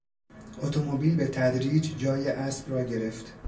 اتومبیل به تدریج جای اسب را گرفت.